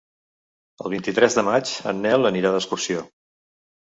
El vint-i-tres de maig en Nel anirà d'excursió.